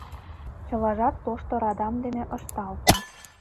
Чылажат тошто радам дене ышталтын...